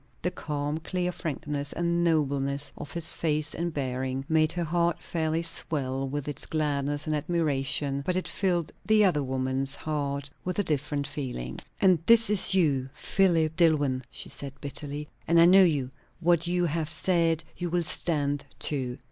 The calm, clear frankness and nobleness of his face and bearing made her heart fairly swell with its gladness and admiration; but it filled the other woman's heart with a different feeling. "And this is you, Philip Dillwyn!" she said bitterly. "And I know you; what you have said you will stand to.